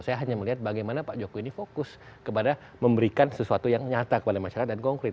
saya hanya melihat bagaimana pak jokowi ini fokus kepada memberikan sesuatu yang nyata kepada masyarakat dan konkret